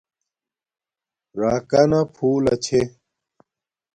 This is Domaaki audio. راکانا پھولہ چھے